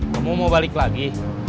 kamu mau balik lagi